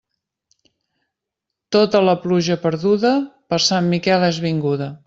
Tota la pluja perduda, per Sant Miquel és vinguda.